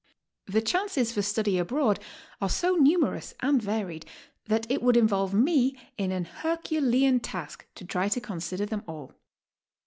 Th'C chances for study abroad are so numerous and varied that it would involve me in an Herculean task to try to consider them all.